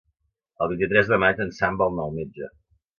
El vint-i-tres de maig en Sam vol anar al metge.